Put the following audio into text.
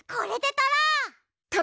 とろう！